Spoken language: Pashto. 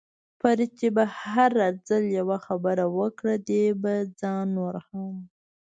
فرید چې به هر ځل یوه خبره وکړه، دې به ځان نور هم.